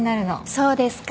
そうですか。